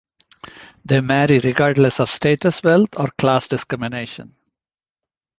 They marry regardless of status wealth or class discrimination.